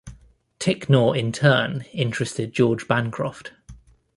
Ticknor in turn interested George Bancroft.